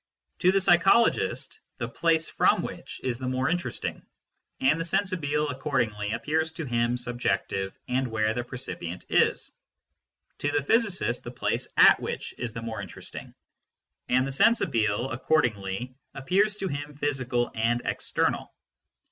To the psychologist the " place from which " is the more interesting, and the " sensibile " accordingly appears to him subjective and where the percipient is. To the physicist the " place at which " is the more interesting, and the " sensibile " accordingly appears to him physical and external.